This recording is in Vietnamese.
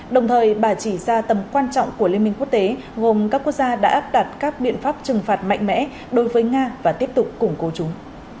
đồng thời bà chỉ ra tầm quan trọng của liên minh quốc tế gồm các quốc gia đã áp đặt các biện pháp trừng phạt mạnh mẽ đối với nga và tiếp tục củng cố chúng